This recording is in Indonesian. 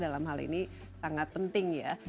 dalam hal ini sangat penting ya